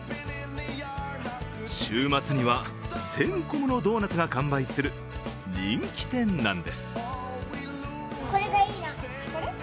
週末には１０００個ものドーナツが完売する人気店なんです。